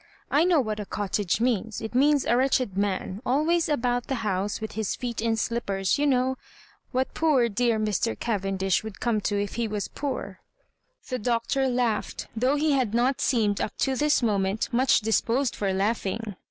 I know what a cottage means; it means a wretched man, al ways about the house with his feet in slippers, you know — what poor dear Mr. Cavendish would come to if he was poor —^^ The Doctor laughed, though he had not seem ed up to tins moment much disposed for laugh ing.